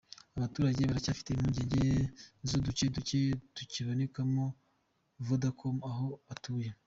Aba baturage baracyafite impungenge z’uduce duke tukibonekamo Vodacom aho batuye.